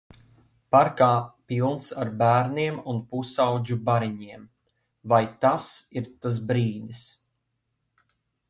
Parkā pilns ar bērniem un pusaudžu bariņiem. Vai tas ir tas brīdis.